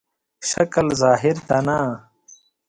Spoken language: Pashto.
شکل ظاهر ته نه.